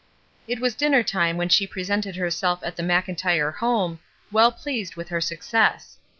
It was dinner time when she presented herself at the Mclntyre home, well pleased with her success.